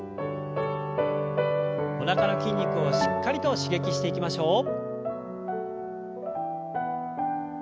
おなかの筋肉をしっかりと刺激していきましょう。